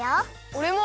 おれも！